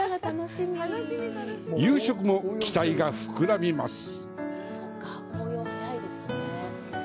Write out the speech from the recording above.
夕食も期待が膨らみます。